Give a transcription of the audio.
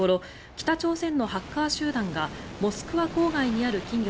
北朝鮮のハッカー集団がモスクワ郊外にある企業